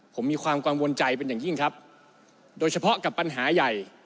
ผมมีความกังวลใจเป็นอย่างยิ่งครับโดยเฉพาะกับปัญหาใหญ่